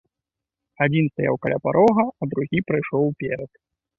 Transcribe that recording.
Адзін стаў каля парога, а другі прайшоў уперад.